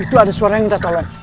itu ada suara yang minta tolong